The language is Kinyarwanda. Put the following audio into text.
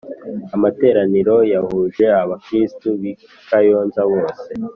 amateraniro yahuje aba kristu bikayonza bose